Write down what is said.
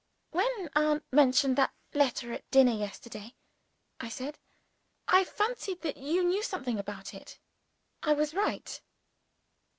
"When my aunt mentioned that letter at dinner yesterday," I said, "I fancied that you knew something about it. Was I right?"